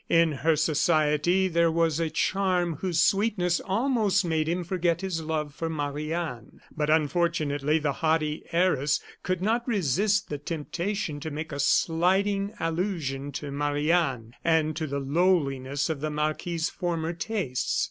In her society there was a charm whose sweetness almost made him forget his love for Marie Anne. But unfortunately the haughty heiress could not resist the temptation to make a slighting allusion to Marie Anne, and to the lowliness of the marquis's former tastes.